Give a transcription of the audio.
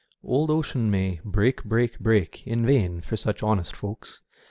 Old ocean may break, break, break," in vain for such honest folks.